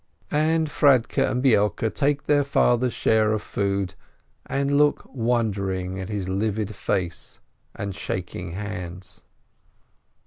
And Fradke and Beilke take their father's share of food, and look wonderingly at his livid face and shaking hands.